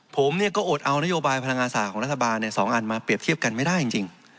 ผมก็อดเอานโยบายพลังงานศาสตร์ของรัฐบาล๒อันมาเปรียบเทียบกันไม่ได้จริง